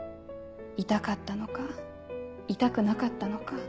痛かったのか痛くなかったのか。